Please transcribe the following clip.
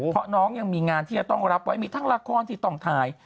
เพราะน้องยังมีงานที่จะต้องรับไว้มีทั้งละครที่ต้องถ่าย